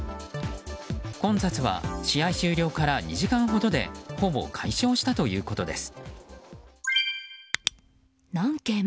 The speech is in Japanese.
混雑は試合終了から２時間ほどでほぼ解消したということです。